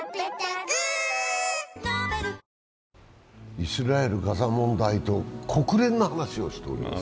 イスラエル・ガザ問題と国連の話をしております。